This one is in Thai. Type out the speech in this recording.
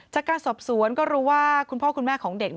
จากการสอบสวนก็รู้ว่าคุณพ่อคุณแม่ของเด็ก